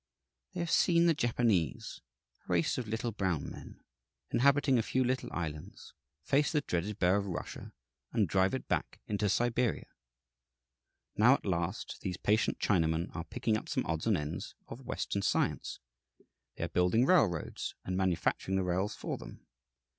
They have seen the Japanese, a race of little brown men, inhabiting a few little islands, face the dreaded bear of Russia and drive it back into Siberia. Now, at last, these patient Chinamen are picking up some odds and ends of Western science. They are building railroads, and manufacturing the rails for them.